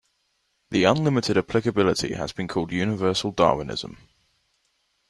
This unlimited applicability has been called universal Darwinism.